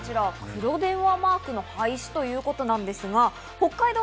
黒電話マークの廃止ということなんですが、北海道